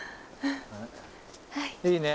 いいね。